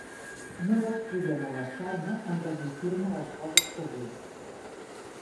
No vaig poder molestar-me en resistir-me a les coses que vull.